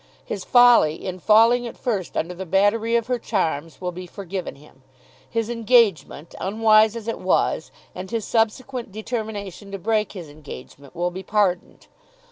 His folly in falling at first under the battery of her charms will be forgiven him. His engagement, unwise as it was, and his subsequent determination to break his engagement, will be pardoned.